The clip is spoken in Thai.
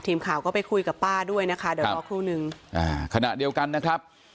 ทีมข่าวก็ไปคุยกับป้าด้วยนะคะเดี๋ยวรอครู่นึงอ่าขณะเดียวกันนะครับ